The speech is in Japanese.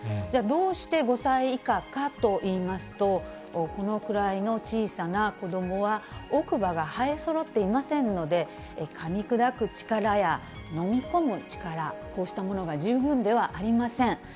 じゃあどうして５歳以下かといいますと、このくらいの小さな子どもは、奥歯が生えそろっていませんので、かみ砕く力や飲み込む力、こうしたものが十分ではありません。